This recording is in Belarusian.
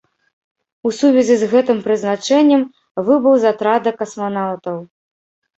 У сувязі з гэтым прызначэннем выбыў з атрада касманаўтаў.